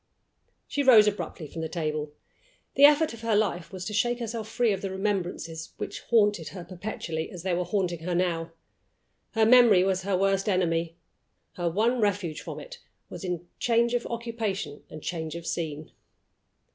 She rose abruptly from the table. The effort of her life was to shake herself free of the remembrances which haunted her perpetually as they were haunting her now. Her memory was her worst enemy; her one refuge from it was in change of occupation and change of scene.